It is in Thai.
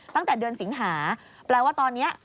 ตั้งแต่เดือนสิงหาแปลว่าตอนนี้